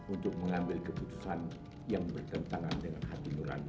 untuk mengambil keputusan yang bertentangan dengan hati nurani